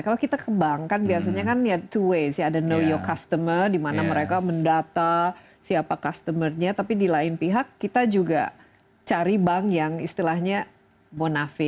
kalau kita ke bank kan biasanya kan yea to waste ya ada know your customer dimana mereka mendata siapa customer nya tapi di lain pihak kita juga cari bank yang istilahnya bonafik